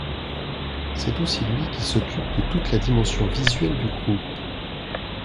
C'est aussi lui qui s'occupe de toute la dimension visuelle du groupe.